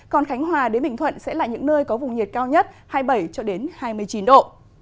còn khánh hòa đến bình thuận sẽ là những nơi có vùng nhiệt cao nhất hai mươi bảy cho đến hai mươi chín độ